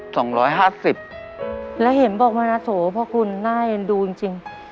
สองร้อยห้าสิบแล้วเห็นบอกมานะโสพ่อคุณน่าเอ็นดูจริงจริง